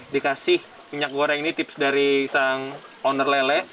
dikasih minyak goreng ini tips dari sang owner lele